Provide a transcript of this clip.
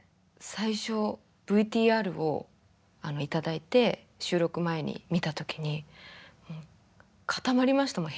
最初ＶＴＲを頂いて収録前に見た時に固まりましたもん